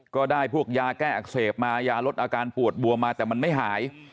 ก็ได้พวกยาแก้อักเสบมายาลดอาการปวดบวมมาแต่มันไม่หาย